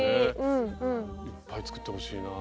いっぱい作ってほしいなぁ。